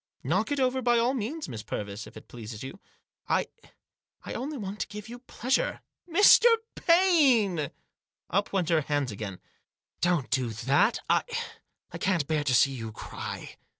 " Knock it over by all means, Miss Purvis, if it pleases you. I — I only want to give you pleasure." " Mr. Paine !" Up went her hands again. " Don't do that. I — I can't bear to see you cry."